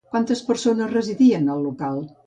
Quantes persones residien al local?